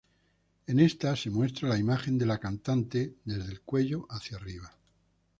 En esta se muestra la imagen de la cantante desde el cuello hacia arriba.